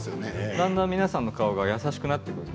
だんだん皆さんの顔が優しくなるんです。